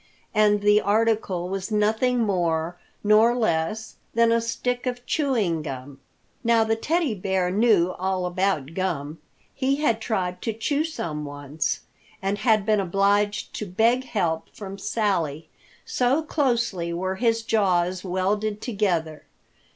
And the article was nothing more nor less than a stick of chewing gum. Now the Teddy Bear knew all about gum. He had tried to chew some once and had been obliged to beg help from Sally, so closely were his jaws welded together.